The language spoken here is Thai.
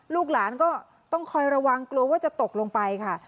ลูกหลานก็ต้องคอยระวังกลัวว่าจะตกลงไปค่ะ